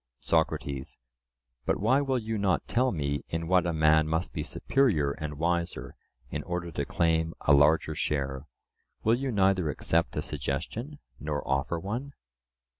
SOCRATES: But why will you not tell me in what a man must be superior and wiser in order to claim a larger share; will you neither accept a suggestion, nor offer one?